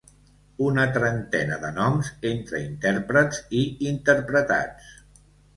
Una trentena de noms entre intèrprets i interpretats.